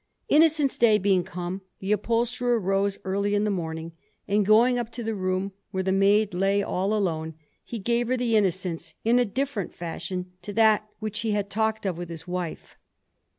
Innocents' Day being come, the upholsterer rose early in the morning, and, going up to the room where the maid lay all alone, he gave her the Innocents in a different fashion to that which he had talked of with his wife.